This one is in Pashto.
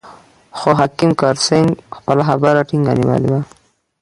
خو حکیم کرت سېنګ خپله خبره ټینګه نیولې وه.